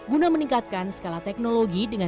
guna meningkatkan skala teknologi dengan